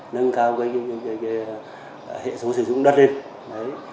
nâng cao cái hệ số sử dụng đất lên